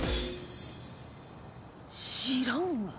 知らんわ。